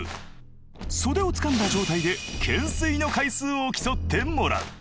袖をつかんだ状態で懸垂の回数を競ってもらう。